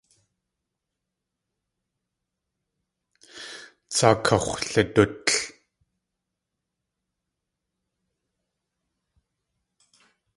Tsaa kax̲wlidútl.